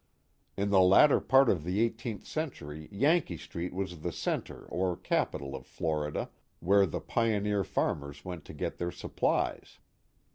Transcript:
In the latter part of the eighteenth century Yankee Street was the centre or capital of Florida, where the pioneer farmers went to get their supplies.